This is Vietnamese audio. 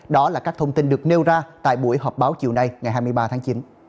đó là các thông tin được nêu ra tại buổi họp báo chiều nay ngày hai mươi ba tháng chín